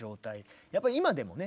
やっぱり今でもね